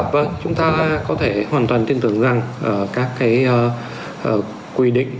vâng chúng ta có thể hoàn toàn tin tưởng rằng các cái quy định